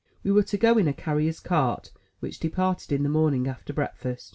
We were to go in a carrier's cart which departed in the morning after breakfast.